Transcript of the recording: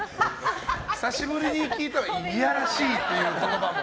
久しぶりに聞いたわいやらしいって言葉も。